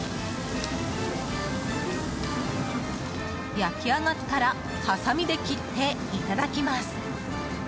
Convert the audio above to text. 焼き上がったらはさみで切って、いただきます。